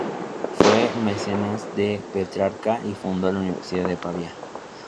Fue mecenas de Petrarca, y fundó la Universidad de Pavía.